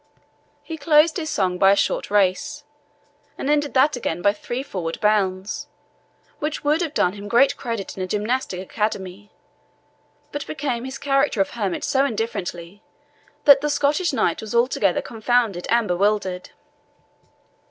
He closed his song by a short race, and ended that again by three forward bounds, which would have done him great credit in a gymnastic academy, but became his character of hermit so indifferently that the Scottish Knight was altogether confounded and bewildered.